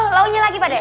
oh launnya lagi pade